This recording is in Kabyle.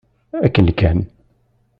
Akken kan.